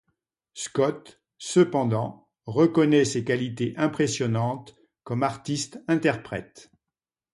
Scott, cependant, reconnaît ses qualités impressionnantes comme artiste interprète.